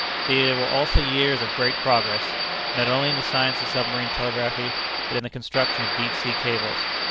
These were also years of great progress, not only in the science of submarine telegraphy, but in the construction of deep sea cables.